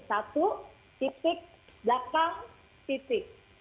satu titik belakang titik